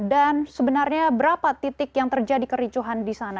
dan sebenarnya berapa titik yang terjadi kericuhan di sana